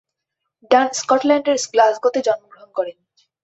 ডান স্কটল্যান্ডের গ্লাসগোতে জন্মগ্রহণ করেন।